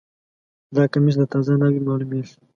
دا کمیس د تازه ناوې معلومیږي